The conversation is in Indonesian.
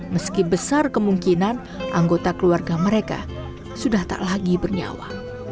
meski besar kemungkinan anggota keluarga mereka sudah tak lagi bernyawa